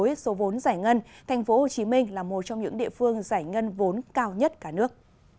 với số vốn giải ngân thành phố hồ chí minh là một trong những địa phương giải ngân vốn cao nhất cả nước